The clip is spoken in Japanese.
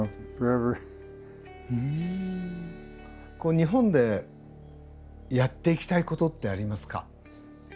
日本でやっていきたいことってありますか？